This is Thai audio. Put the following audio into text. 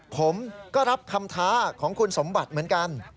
ผมก็รับคำท้าของคุณสมบัติเหมือนกัน